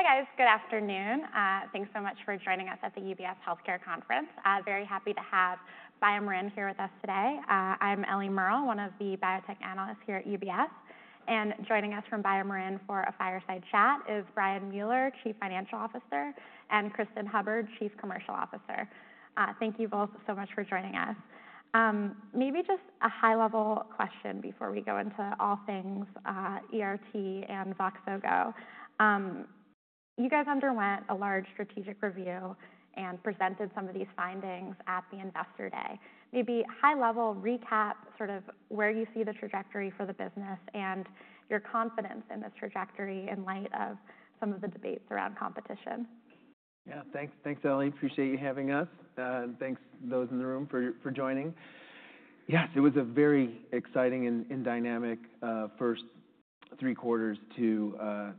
Hi, guys. Good afternoon. Thanks so much for joining us at the UBS Healthcare Conference. Very happy to have BioMarin here with us today. I'm Ellie Merle, one of the Biotech Analysts here at UBS. And joining us from BioMarin for a fireside chat is Brian Mueller, Chief Financial Officer, and Cristin Hubbard, Chief Commercial Officer. Thank you both so much for joining us. Maybe just a high-level question before we go into all things ERT and Voxogo. You guys underwent a large strategic review and presented some of these findings at the Investor Day. Maybe high-level recap, sort of where you see the trajectory for the business and your confidence in this trajectory in light of some of the debates around competition. Yeah, thanks, Ellie. Appreciate you having us. And thanks, those in the room, for joining. Yes, it was a very exciting and dynamic first three quarters to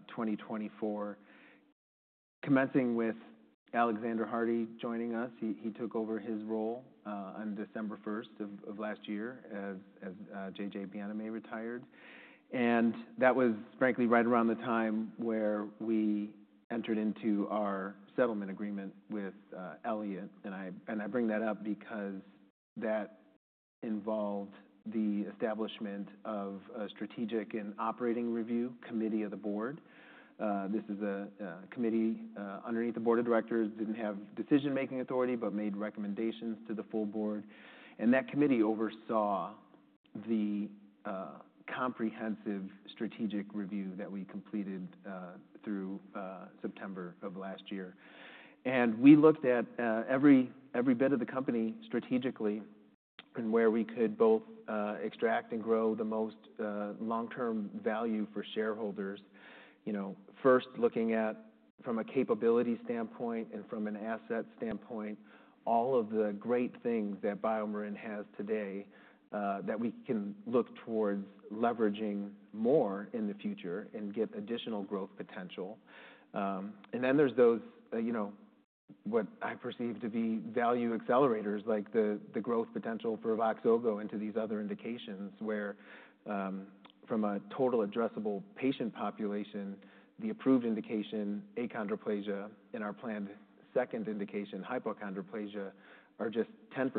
2024, commencing with Alexander Hardy joining us. He took over his role on December 1 of last year as J.J. Bienaimé retired. And that was, frankly, right around the time where we entered into our settlement agreement with Elliott. And I bring that up because that involved the establishment of a Strategic and Operating Review Committee of the board. This is a committee underneath the board of directors. It didn't have decision-making authority, but made recommendations to the full board. And that committee oversaw the comprehensive strategic review that we completed through September of last year. And we looked at every bit of the company strategically and where we could both extract and grow the most long-term value for shareholders. First, looking at, from a capability standpoint and from an asset standpoint, all of the great things that BioMarin has today that we can look towards leveraging more in the future and get additional growth potential. And then there's those what I perceive to be value accelerators, like the growth potential for Voxogo into these other indications, where from a total addressable patient population, the approved indication achondroplasia and our planned second indication hypochondroplasia are just 10%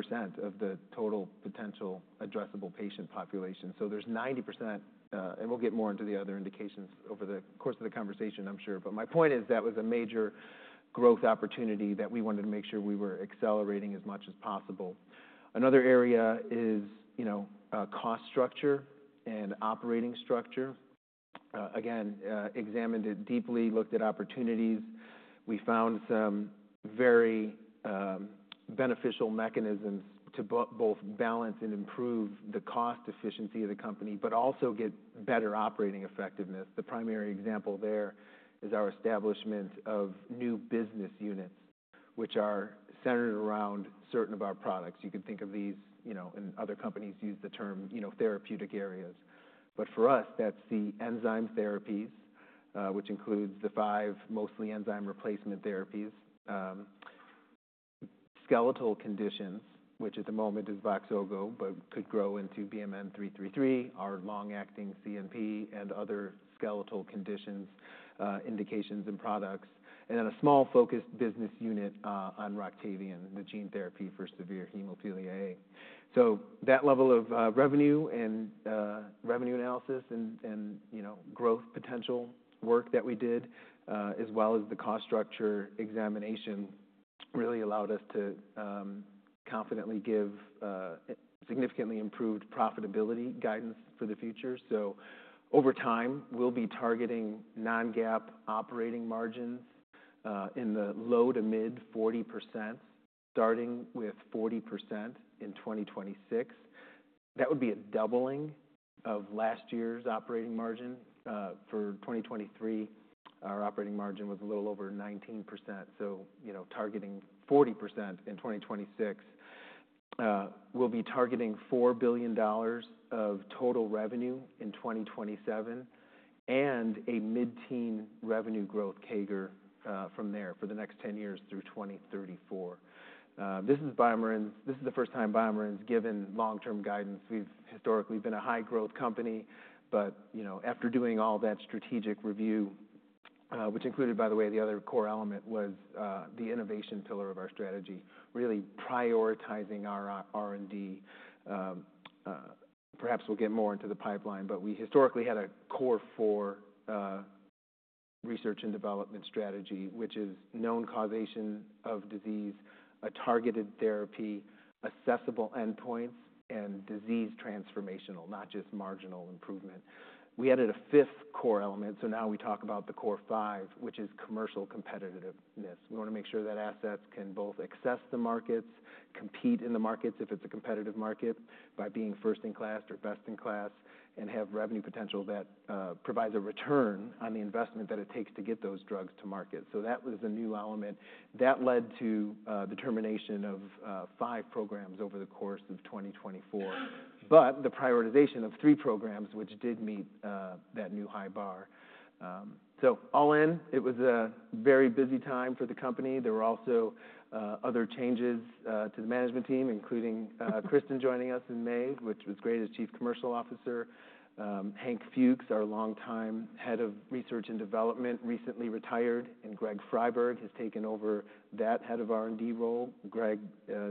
of the total potential addressable patient population. So there's 90%. And we'll get more into the other indications over the course of the conversation, I'm sure. But my point is that was a major growth opportunity that we wanted to make sure we were accelerating as much as possible. Another area is cost structure and operating structure. Again, examined it deeply, looked at opportunities. We found some very beneficial mechanisms to both balance and improve the cost efficiency of the company, but also get better operating effectiveness. The primary example there is our establishment of new business units, which are centered around certain of our products. You could think of these, and other companies use the term therapeutic areas. But for us, that's the enzyme therapies, which includes the five mostly enzyme replacement therapies, skeletal conditions, which at the moment is Voxogo, but could grow into BMN 333, our long-acting CNP, and other skeletal conditions, indications, and products. And then a small focused business unit on ROCTAVIAN, the gene therapy for severe hemophilia A. So that level of revenue and revenue analysis and growth potential work that we did, as well as the cost structure examination, really allowed us to confidently give significantly improved profitability guidance for the future. So over time, we'll be targeting non-GAAP operating margins in the low- to mid-40%, starting with 40% in 2026. That would be a doubling of last year's operating margin. For 2023, our operating margin was a little over 19%. So targeting 40% in 2026. We'll be targeting $4 billion of total revenue in 2027 and a mid-teen revenue growth CAGR from there for the next 10 years through 2034. This is the first time BioMarin's given long-term guidance. We've historically been a high-growth company. But after doing all that strategic review, which included, by the way, the other core element was the innovation pillar of our strategy, really prioritizing our R&D. Perhaps we'll get more into the pipeline, but we historically had a core four research and development strategy, which is known causation of disease, a targeted therapy, accessible endpoints, and disease transformational, not just marginal improvement. We added a fifth core element. So now we talk about the core five, which is commercial competitiveness. We want to make sure that assets can both access the markets, compete in the markets if it's a competitive market by being first in class or best in class, and have revenue potential that provides a return on the investment that it takes to get those drugs to market. So that was a new element. That led to the termination of five programs over the course of 2024, but the prioritization of three programs, which did meet that new high bar. So all in, it was a very busy time for the company. There were also other changes to the management team, including Cristin joining us in May, which was great as Chief Commercial Officer. Hank Fuchs, our longtime head of research and development, recently retired. Greg Friberg has taken over that head of R&D role. Greg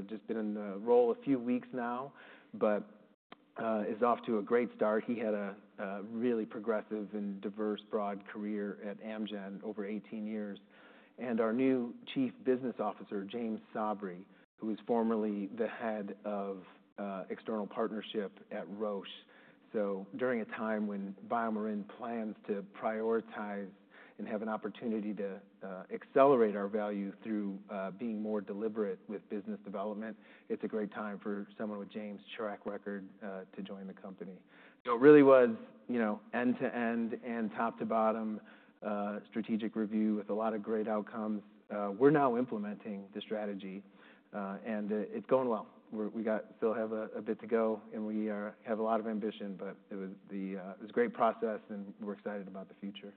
just been in the role a few weeks now, but is off to a great start. He had a really progressive and diverse broad career at Amgen over 18 years. Our new Chief Business Officer, James Sabry, who was formerly the head of external partnership at Roche. During a time when BioMarin plans to prioritize and have an opportunity to accelerate our value through being more deliberate with business development, it's a great time for someone with James' track record to join the company. It really was end to end and top to bottom strategic review with a lot of great outcomes. We're now implementing the strategy, and it's going well. We still have a bit to go, and we have a lot of ambition, but it was a great process, and we're excited about the future.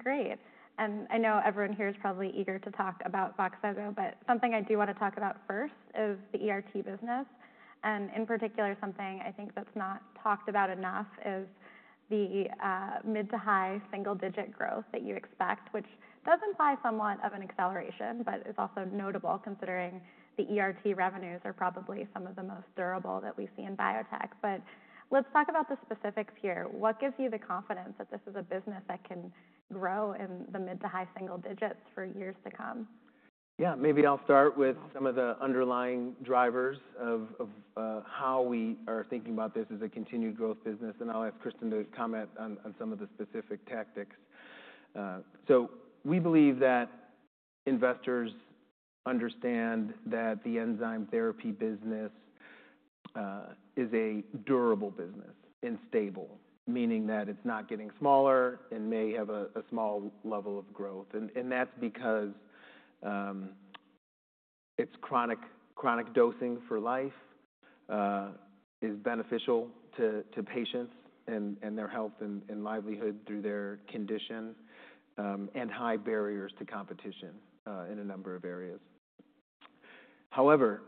Great. And I know everyone here is probably eager to talk about Voxogo, but something I do want to talk about first is the ERT business. And in particular, something I think that's not talked about enough is the mid- to high single-digit growth that you expect, which does imply somewhat of an acceleration, but is also notable considering the ERT revenues are probably some of the most durable that we see in biotech. But let's talk about the specifics here. What gives you the confidence that this is a business that can grow in the mid- to high single digits for years to come? Yeah, maybe I'll start with some of the underlying drivers of how we are thinking about this as a continued growth business. And I'll ask Cristin to comment on some of the specific tactics. So we believe that investors understand that the enzyme therapy business is a durable business and stable, meaning that it's not getting smaller and may have a small level of growth. And that's because its chronic dosing for life is beneficial to patients and their health and livelihood through their condition and high barriers to competition in a number of areas. However,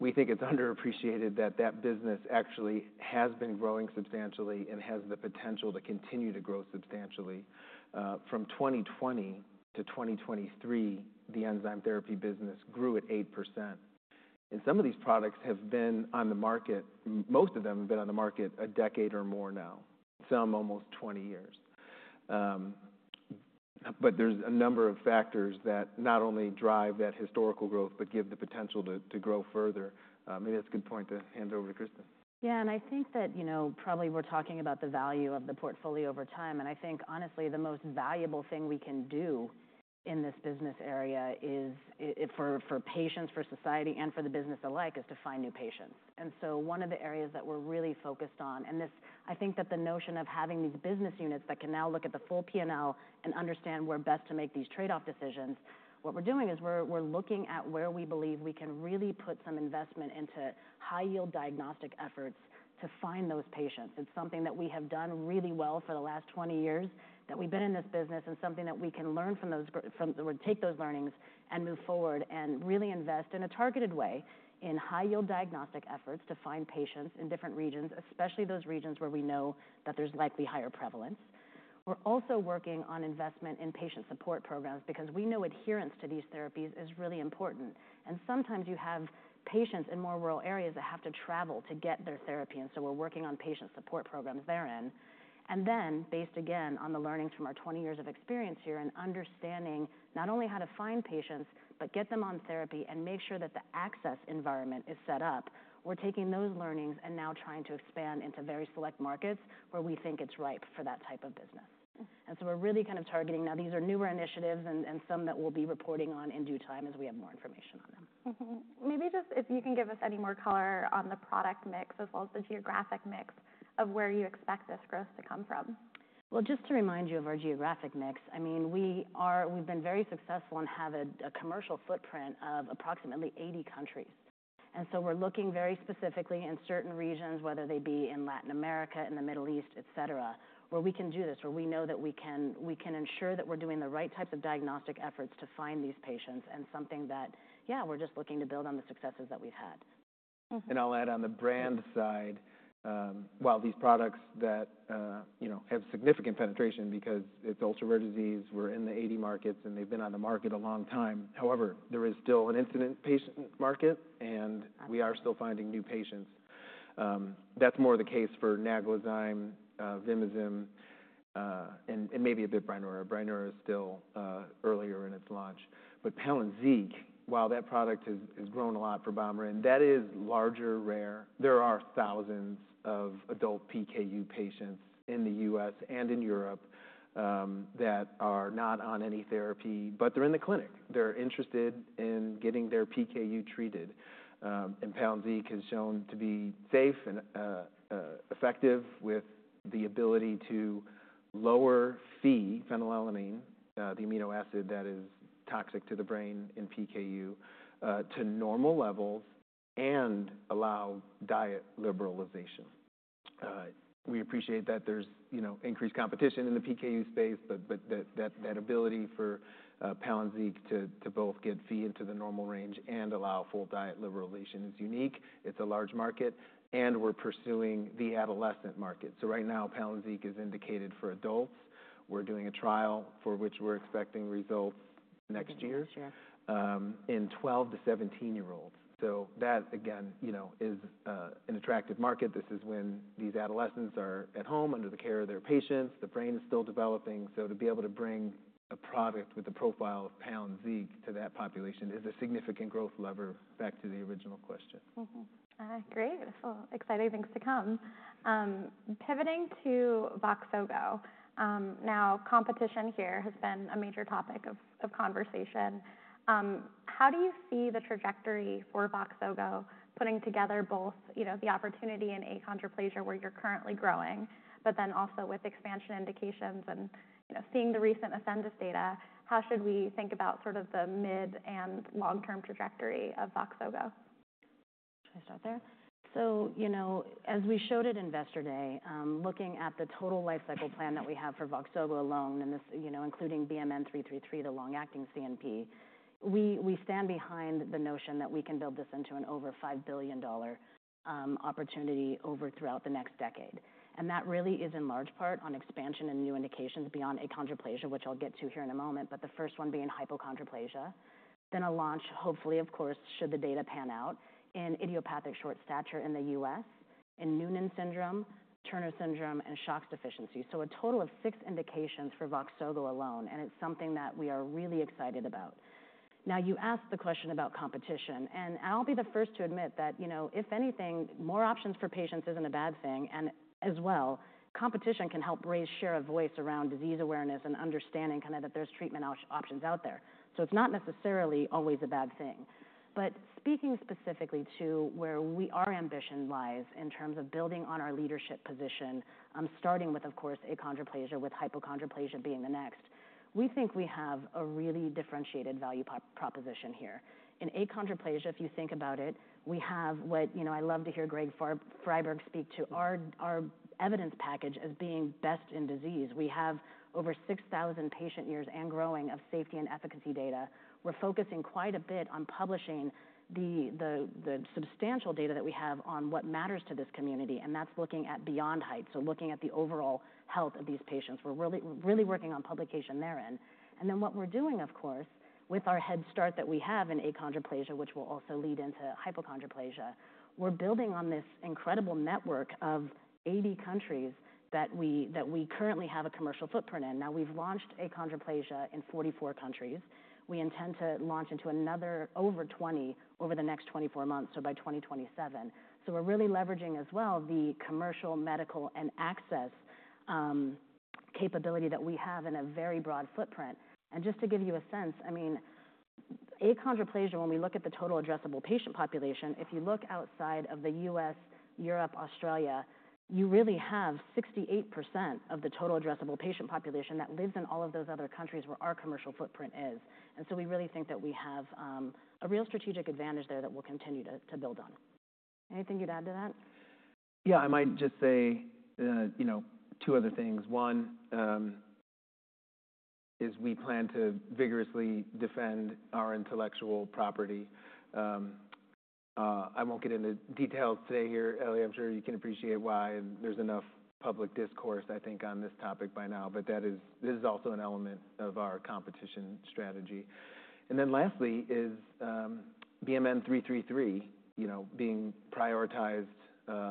we think it's underappreciated that that business actually has been growing substantially and has the potential to continue to grow substantially. From 2020 to 2023, the enzyme therapy business grew at 8%. Some of these products have been on the market, most of them have been on the market a decade or more now, some almost 20 years. There's a number of factors that not only drive that historical growth, but give the potential to grow further. Maybe that's a good point to hand over to Cristin. Yeah, and I think that probably we're talking about the value of the portfolio over time. And I think, honestly, the most valuable thing we can do in this business area is for patients, for society, and for the business alike is to find new patients. And so one of the areas that we're really focused on, and I think that the notion of having these business units that can now look at the full P&L and understand where best to make these trade-off decisions, what we're doing is we're looking at where we believe we can really put some investment into high-yield diagnostic efforts to find those patients. It's something that we have done really well for the last 20 years that we've been in this business and something that we can learn from those or take those learnings and move forward and really invest in a targeted way in high-yield diagnostic efforts to find patients in different regions, especially those regions where we know that there's likely higher prevalence. We're also working on investment in patient support programs because we know adherence to these therapies is really important. And sometimes you have patients in more rural areas that have to travel to get their therapy. And so we're working on patient support programs therein. And then, based again on the learnings from our 20 years of experience here and understanding not only how to find patients, but get them on therapy and make sure that the access environment is set up, we're taking those learnings and now trying to expand into very select markets where we think it's ripe for that type of business. And so we're really kind of targeting. Now, these are newer initiatives and some that we'll be reporting on in due time as we have more information on them. Maybe just if you can give us any more color on the product mix as well as the geographic mix of where you expect this growth to come from? Just to remind you of our geographic mix, I mean, we've been very successful and have a commercial footprint of approximately 80 countries. So we're looking very specifically in certain regions, whether they be in Latin America, in the Middle East, et cetera, where we can do this, where we know that we can ensure that we're doing the right types of diagnostic efforts to find these patients and something that, yeah, we're just looking to build on the successes that we've had. I'll add on the brand side, while these products have significant penetration because it's ultra rare disease, we're in the 80 markets, and they've been on the market a long time. However, there is still an undiagnosed patient market, and we are still finding new patients. That's more the case for Naglazyme, Vimizim, and maybe a bit Brineura. Brineura is still early in its launch. But Palynziq, while that product has grown a lot for BioMarin, that is larger rare. There are thousands of adult PKU patients in the U.S. and in Europe that are not on any therapy, but they're in the clinic. They're interested in getting their PKU treated. And Palynziq has shown to be safe and effective with the ability to lower Phe phenylalanine, the amino acid that is toxic to the brain in PKU, to normal levels and allow diet liberalization. We appreciate that there's increased competition in the PKU space, but that ability for Palynziq to both get Phe into the normal range and allow full diet liberalization is unique. It's a large market, and we're pursuing the adolescent market. So right now, Palynziq is indicated for adults. We're doing a trial for which we're expecting results next year in 12 to 17-year-olds. So that, again, is an attractive market. This is when these adolescents are at home under the care of their parents. The brain is still developing. So to be able to bring a product with a profile of Palynziq to that population is a significant growth lever back to the original question. Great. Exciting things to come. Pivoting to Voxogo. Now, competition here has been a major topic of conversation. How do you see the trajectory for Voxogo putting together both the opportunity in achondroplasia where you're currently growing, but then also with expansion indications and seeing the recent Ascendis data? How should we think about sort of the mid and long-term trajectory of Voxogo? Should I start there? So as we showed at Investor Day, looking at the total lifecycle plan that we have for Voxogo alone, including BMN 333, the long-acting CNP, we stand behind the notion that we can build this into an over $5 billion opportunity overall throughout the next decade. And that really is in large part on expansion and new indications beyond achondroplasia, which I'll get to here in a moment, but the first one being hypochondroplasia, then a launch hopefully, of course, should the data pan out in idiopathic short stature in the U.S., in Noonan syndrome, Turner syndrome, and SHOX deficiency. So a total of six indications for Voxogo alone, and it's something that we are really excited about. Now, you asked the question about competition, and I'll be the first to admit that if anything, more options for patients isn't a bad thing. As well, competition can help raise share of voice around disease awareness and understanding kind of that there's treatment options out there. It's not necessarily always a bad thing. Speaking specifically to where our ambition lies in terms of building on our leadership position, starting with, of course, achondroplasia with hypochondroplasia being the next, we think we have a really differentiated value proposition here. In achondroplasia, if you think about it, we have what I love to hear Greg Friberg speak to our evidence package as being best in disease. We have over 6,000 patient years and growing of safety and efficacy data. We're focusing quite a bit on publishing the substantial data that we have on what matters to this community, and that's looking at beyond height. Looking at the overall health of these patients, we're really working on publication therein. And then what we're doing, of course, with our head start that we have in achondroplasia, which will also lead into hypochondroplasia, we're building on this incredible network of 80 countries that we currently have a commercial footprint in. Now, we've launched achondroplasia in 44 countries. We intend to launch into another over 20 over the next 24 months, so by 2027. So we're really leveraging as well the commercial, medical, and access capability that we have in a very broad footprint. And just to give you a sense, I mean, achondroplasia, when we look at the total addressable patient population, if you look outside of the U.S., Europe, Australia, you really have 68% of the total addressable patient population that lives in all of those other countries where our commercial footprint is. And so we really think that we have a real strategic advantage there that we'll continue to build on. Anything you'd add to that? Yeah, I might just say two other things. One is we plan to vigorously defend our intellectual property. I won't get into details today here. Ellie, I'm sure you can appreciate why. And there's enough public discourse, I think, on this topic by now, but this is also an element of our competition strategy. And then lastly is BMN 333 being prioritized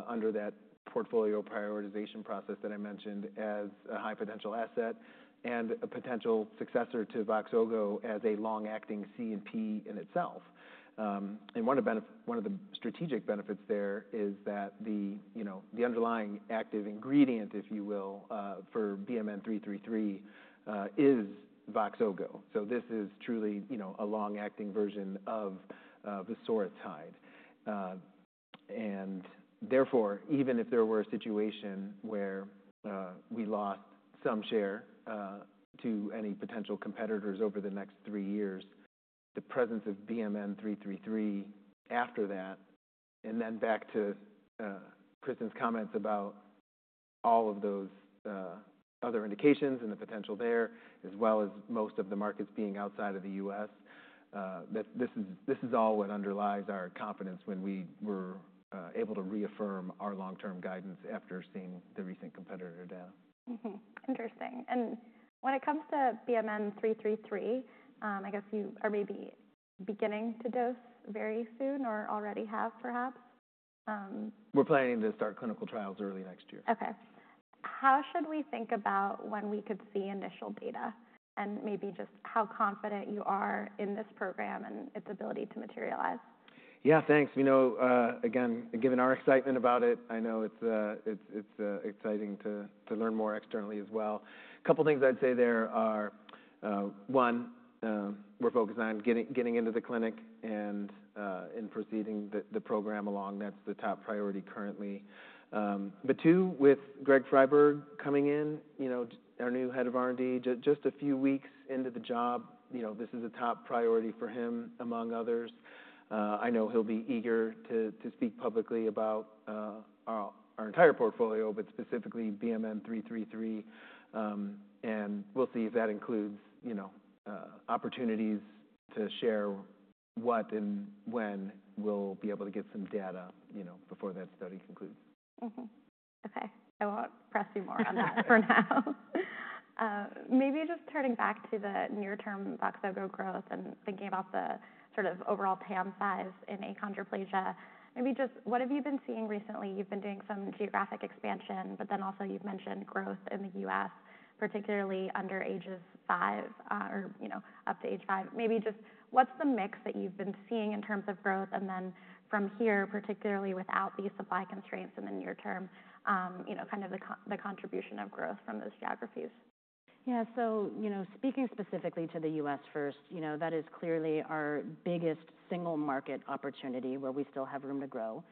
under that portfolio prioritization process that I mentioned as a high potential asset and a potential successor to Voxogo as a long-acting CNP in itself. And one of the strategic benefits there is that the underlying active ingredient, if you will, for BMN 333 is Voxogo. So this is truly a long-acting version of Vosoritide. Therefore, even if there were a situation where we lost some share to any potential competitors over the next three years, the presence of BMN 333 after that, and then back to Cristin's comments about all of those other indications and the potential there, as well as most of the markets being outside of the U.S., this is all what underlies our confidence when we were able to reaffirm our long-term guidance after seeing the recent competitor data. Interesting. And when it comes to BMN 333, I guess you are maybe beginning to dose very soon or already have, perhaps? We're planning to start clinical trials early next year. Okay. How should we think about when we could see initial data and maybe just how confident you are in this program and its ability to materialize? Yeah, thanks. Again, given our excitement about it, I know it's exciting to learn more externally as well. A couple of things I'd say there are, one, we're focused on getting into the clinic and proceeding the program along. That's the top priority currently. But two, with Greg Friberg coming in, our new head of R&D, just a few weeks into the job, this is a top priority for him among others. I know he'll be eager to speak publicly about our entire portfolio, but specifically BMN 333, and we'll see if that includes opportunities to share what and when we'll be able to get some data before that study concludes. Okay. I won't press you more on that for now. Maybe just turning back to the near-term Voxogo growth and thinking about the sort of overall TAM size in achondroplasia, maybe just what have you been seeing recently? You've been doing some geographic expansion, but then also you've mentioned growth in the U.S., particularly under age five or up to age five. Maybe just what's the mix that you've been seeing in terms of growth? And then from here, particularly without these supply constraints in the near term, kind of the contribution of growth from those geographies? Yeah, so speaking specifically to the U.S. first, that is clearly our biggest single market opportunity where we still have room to grow.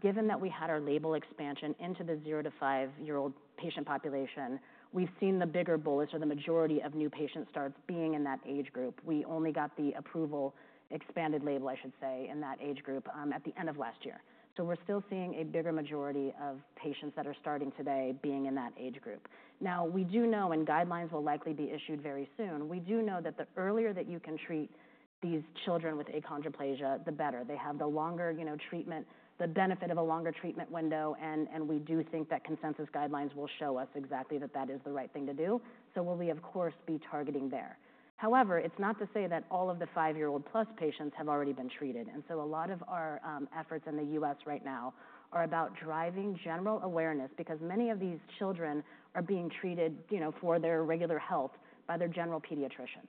Given that we had our label expansion into the zero- to five-year-old patient population, we've seen the bigger bullets or the majority of new patient starts being in that age group. We only got the approval expanded label, I should say, in that age group at the end of last year. So we're still seeing a bigger majority of patients that are starting today being in that age group. Now, we do know, and guidelines will likely be issued very soon, we do know that the earlier that you can treat these children with achondroplasia, the better. They have the longer treatment, the benefit of a longer treatment window, and we do think that consensus guidelines will show us exactly that is the right thing to do. We'll, of course, be targeting there. However, it's not to say that all of the five-year-old plus patients have already been treated. A lot of our efforts in the U.S. right now are about driving general awareness because many of these children are being treated for their regular health by their general pediatricians.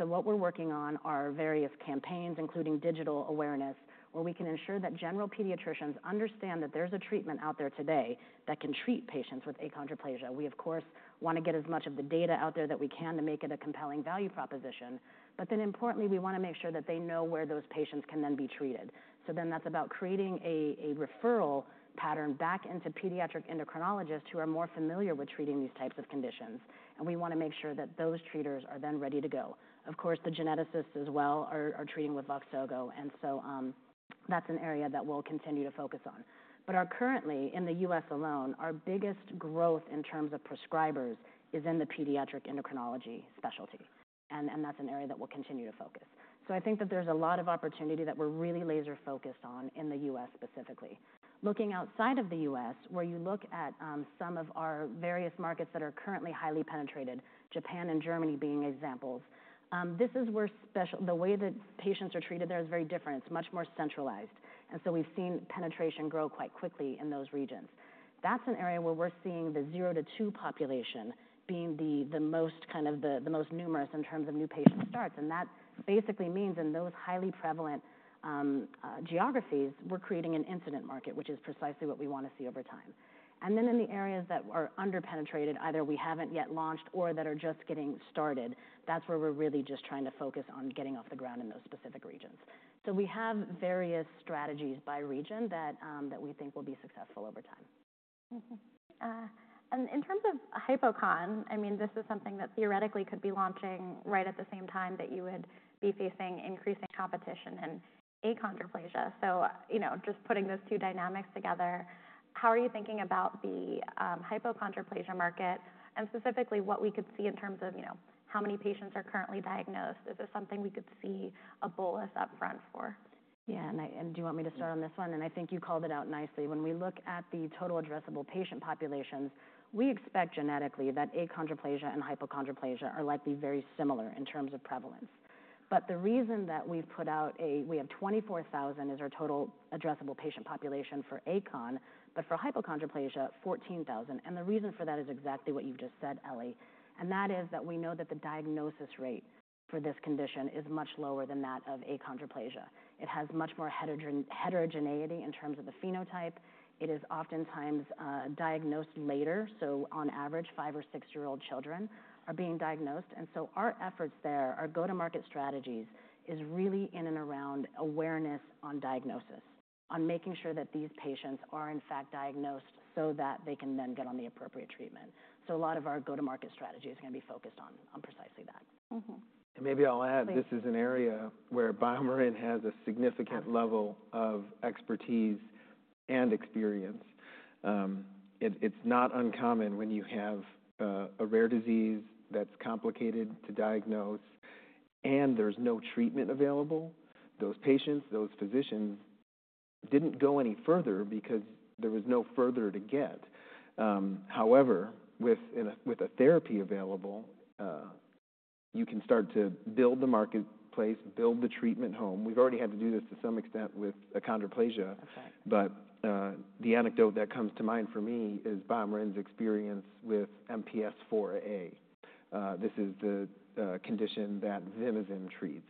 What we're working on are various campaigns, including digital awareness, where we can ensure that general pediatricians understand that there's a treatment out there today that can treat patients with achondroplasia. We, of course, want to get as much of the data out there that we can to make it a compelling value proposition. But then, importantly, we want to make sure that they know where those patients can then be treated. So then that's about creating a referral pattern back into pediatric endocrinologists who are more familiar with treating these types of conditions. And we want to make sure that those treaters are then ready to go. Of course, the geneticists as well are treating with Voxogo. And so that's an area that we'll continue to focus on. But currently, in the U.S. alone, our biggest growth in terms of prescribers is in the pediatric endocrinology specialty. And that's an area that we'll continue to focus. So I think that there's a lot of opportunity that we're really laser-focused on in the U.S. specifically. Looking outside of the U.S., where you look at some of our various markets that are currently highly penetrated, Japan and Germany being examples, this is where the way that patients are treated there is very different. It's much more centralized. And so we've seen penetration grow quite quickly in those regions. That's an area where we're seeing the zero to two population being the most numerous in terms of new patient starts. And that basically means in those highly prevalent geographies, we're creating an incipient market, which is precisely what we want to see over time. And then in the areas that are under-penetrated, either we haven't yet launched or that are just getting started, that's where we're really just trying to focus on getting off the ground in those specific regions. We have various strategies by region that we think will be successful over time. In terms of hypochondroplasia, I mean, this is something that theoretically could be launching right at the same time that you would be facing increasing competition in achondroplasia. So just putting those two dynamics together, how are you thinking about the hypochondroplasia market and specifically what we could see in terms of how many patients are currently diagnosed? Is this something we could see a bullet upfront for? Yeah. And do you want me to start on this one? And I think you called it out nicely. When we look at the total addressable patient populations, we expect genetically that achondroplasia and hypochondroplasia are likely very similar in terms of prevalence. But the reason that we've put out, we have 24,000 as our total addressable patient population for achon, but for hypochondroplasia, 14,000. And the reason for that is exactly what you've just said, Ellie. And that is that we know that the diagnosis rate for this condition is much lower than that of achondroplasia. It has much more heterogeneity in terms of the phenotype. It is oftentimes diagnosed later. So on average, five- or six-year-old children are being diagnosed. Our efforts there, our go-to-market strategies, is really in and around awareness on diagnosis, on making sure that these patients are in fact diagnosed so that they can then get on the appropriate treatment. A lot of our go-to-market strategy is going to be focused on precisely that. Maybe I'll add, this is an area where BioMarin has a significant level of expertise and experience. It's not uncommon when you have a rare disease that's complicated to diagnose and there's no treatment available. Those patients, those physicians didn't go any further because there was no further to get. However, with a therapy available, you can start to build the marketplace, build the treatment home. We've already had to do this to some extent with achondroplasia. But the anecdote that comes to mind for me is BioMarin's experience with MPS IVA. This is the condition that Vimizim treats.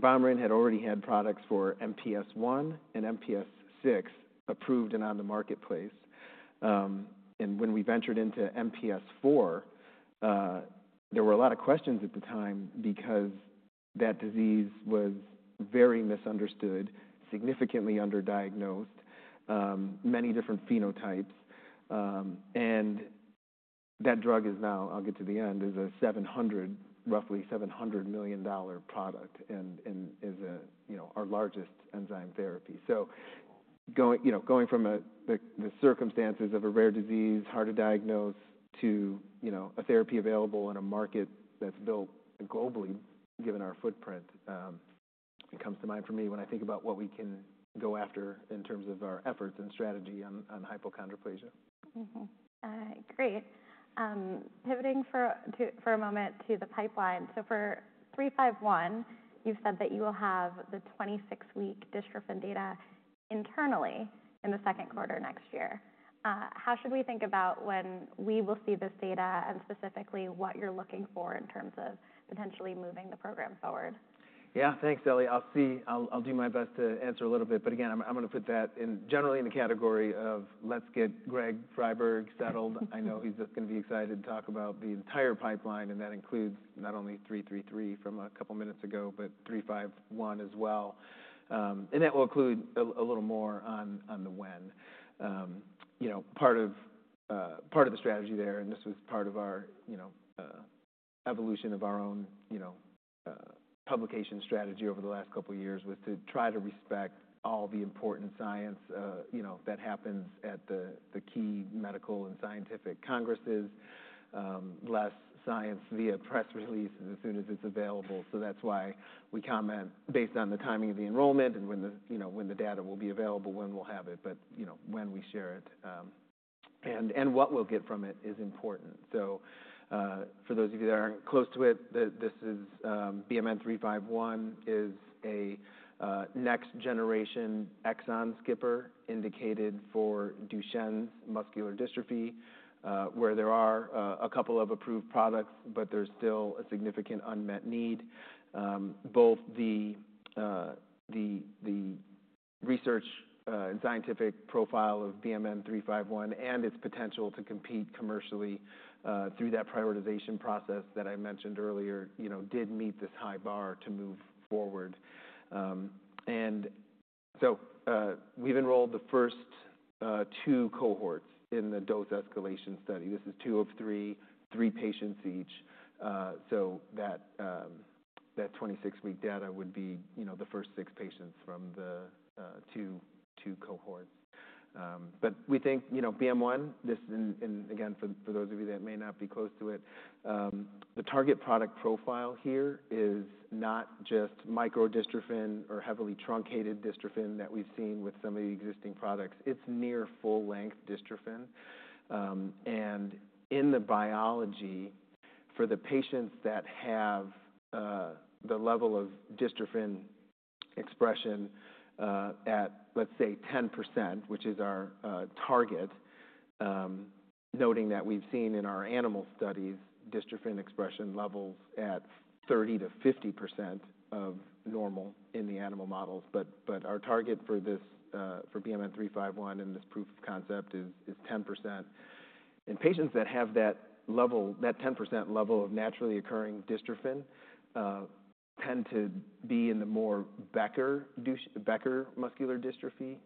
BioMarin had already had products for MPS I and MPS VI approved and on the marketplace. When we ventured into MPS IV, there were a lot of questions at the time because that disease was very misunderstood, significantly underdiagnosed, many different phenotypes. And that drug is now. I'll get to the end. It is a roughly $700 million product and is our largest enzyme therapy. So going from the circumstances of a rare disease, hard to diagnose, to a therapy available in a market that's built globally, given our footprint, it comes to mind for me when I think about what we can go after in terms of our efforts and strategy on hypochondroplasia. Great. Pivoting for a moment to the pipeline. So for 351, you've said that you will have the 26-week dystro and data internally in the second quarter next year. How should we think about when we will see this data and specifically what you're looking for in terms of potentially moving the program forward? Yeah, thanks, Ellie. I'll do my best to answer a little bit, but again, I'm going to put that generally in the category of let's get Greg Friberg settled. I know he's going to be excited to talk about the entire pipeline, and that includes not only 333 from a couple of minutes ago, but 351 as well, and that will include a little more on the when. Part of the strategy there, and this was part of our evolution of our own publication strategy over the last couple of years, was to try to respect all the important science that happens at the key medical and scientific congresses, less science via press releases as soon as it's available. That's why we comment based on the timing of the enrollment and when the data will be available, when we'll have it, but when we share it and what we'll get from it is important. For those of you that aren't close to it, this is BMN 351, a next-generation exon skipping indicated for Duchenne muscular dystrophy, where there are a couple of approved products, but there's still a significant unmet need. Both the research and scientific profile of BMN 351 and its potential to compete commercially through that prioritization process that I mentioned earlier did meet this high bar to move forward. We've enrolled the first two cohorts in the dose escalation study. This is two of three, three patients each. That 26-week data would be the first six patients from the two cohorts. But we think BMN 351, and again, for those of you that may not be close to it, the target product profile here is not just microdystrophin or heavily truncated dystrophin that we've seen with some of the existing products. It's near full-length dystrophin. And in the biology, for the patients that have the level of dystrophin expression at, let's say, 10%, which is our target, noting that we've seen in our animal studies, dystrophin expression levels at 30%-50% of normal in the animal models. But our target for BMN 351 and this proof of concept is 10%. And patients that have that 10% level of naturally occurring dystrophin tend to be in the more Becker muscular dystrophy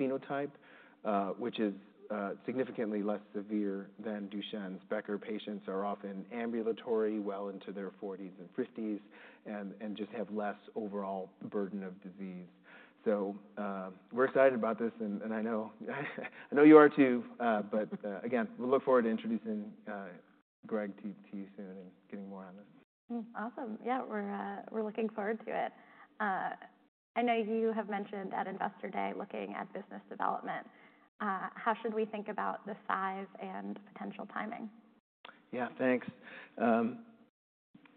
phenotype, which is significantly less severe than Duchenne's. Becker patients are often ambulatory well into their 40s and 50s and just have less overall burden of disease. So we're excited about this. I know you are too. Again, we'll look forward to introducing Greg to you soon and getting more on this. Awesome. Yeah, we're looking forward to it. I know you have mentioned at Investor Day looking at business development. How should we think about the size and potential timing? Yeah, thanks.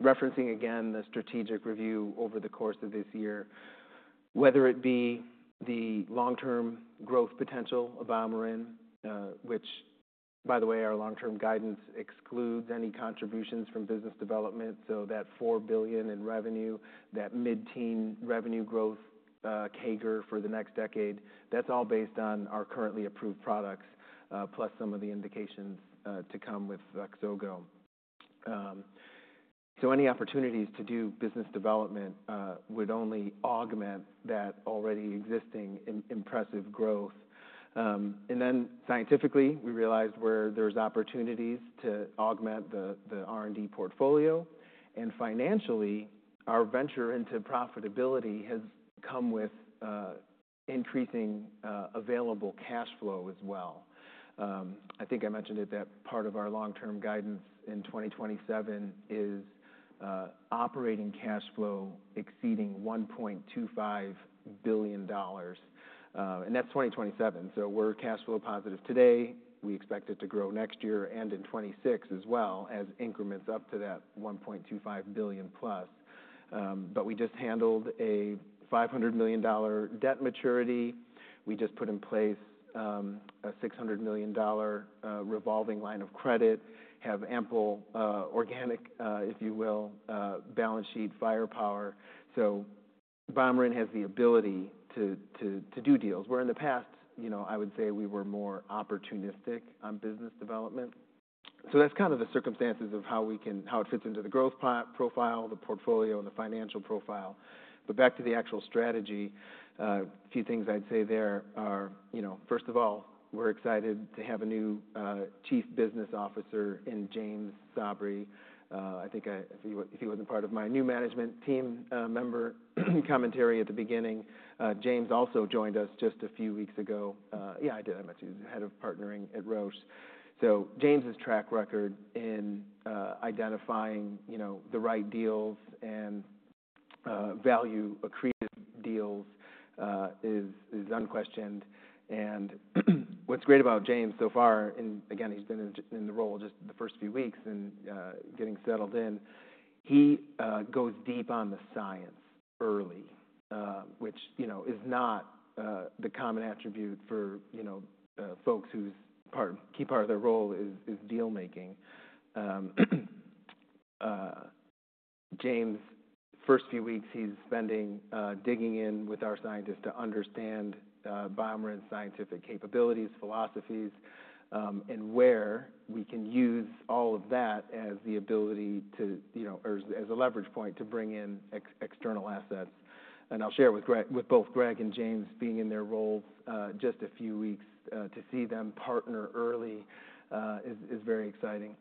Referencing again the strategic review over the course of this year, whether it be the long-term growth potential of BioMarin, which, by the way, our long-term guidance excludes any contributions from business development. So that $4 billion in revenue, that mid-teen revenue growth CAGR for the next decade, that's all based on our currently approved products, plus some of the indications to come with Voxogo. So any opportunities to do business development would only augment that already existing impressive growth. And then scientifically, we realized where there's opportunities to augment the R&D portfolio. And financially, our venture into profitability has come with increasing available cash flow as well. I think I mentioned that part of our long-term guidance in 2027 is operating cash flow exceeding $1.25 billion. And that's 2027. So we're cash flow positive today. We expect it to grow next year and in 2026 as well as increments up to that $1.25 billion plus. But we just handled a $500 million debt maturity. We just put in place a $600 million revolving line of credit, have ample organic, if you will, balance sheet firepower. So BioMarin has the ability to do deals. Where in the past, I would say we were more opportunistic on business development. So that's kind of the circumstances of how it fits into the growth profile, the portfolio, and the financial profile. But back to the actual strategy, a few things I'd say there are. First of all, we're excited to have a new chief business officer in James Sabry. I think if he wasn't part of my new management team member commentary at the beginning, James also joined us just a few weeks ago. Yeah, I did. I met you as head of partnering at Roche. So James' track record in identifying the right deals and value-accretive deals is unquestioned. And what's great about James so far, and again, he's been in the role just the first few weeks and getting settled in, he goes deep on the science early, which is not the common attribute for folks whose key part of their role is deal-making. James' first few weeks, he's spending digging in with our scientists to understand BioMarin's scientific capabilities, philosophies, and where we can use all of that as the ability to, or as a leverage point to bring in external assets. And I'll share with both Greg and James being in their roles just a few weeks to see them partner early is very exciting.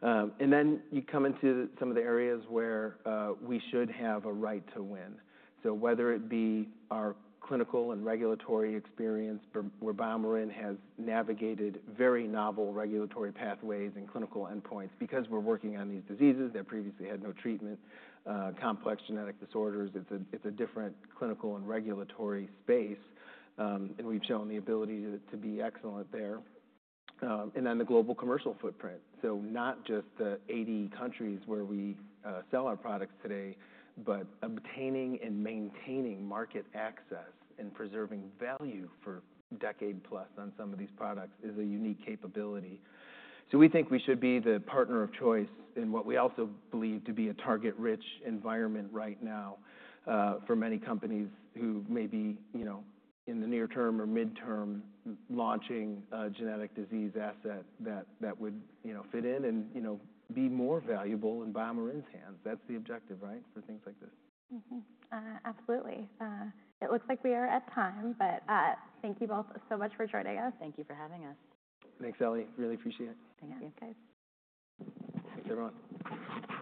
And then you come into some of the areas where we should have a right to win. So whether it be our clinical and regulatory experience, where BioMarin has navigated very novel regulatory pathways and clinical endpoints because we're working on these diseases that previously had no treatment, complex genetic disorders. It's a different clinical and regulatory space. And we've shown the ability to be excellent there. And then the global commercial footprint. So not just the 80 countries where we sell our products today, but obtaining and maintaining market access and preserving value for a decade plus on some of these products is a unique capability. So we think we should be the partner of choice in what we also believe to be a target-rich environment right now for many companies who may be in the near term or midterm launching a genetic disease asset that would fit in and be more valuable in BioMarin's hands. That's the objective, right, for things like this? Absolutely. It looks like we are at time, but thank you both so much for joining us. Thank you for having us. Thanks, Ellie. Really appreciate it. Thank you. Thanks, guys. Thanks, everyone.